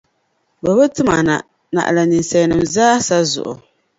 Bɛ bi tim a na, naɣila ninsalinim’ zaasa zuɣu.